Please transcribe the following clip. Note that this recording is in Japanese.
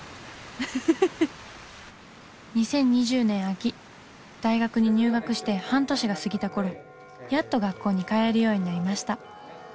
２０２０年秋大学に入学して半年が過ぎた頃やっと学校に通えるようになりました。